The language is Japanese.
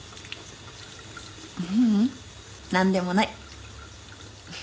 ううんなんでもない。